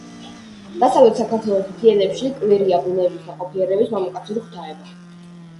დასავლეთ საქართველოს მთიელებში კვირია ბუნების ნაყოფიერების მამაკაცური ღვთაებაა.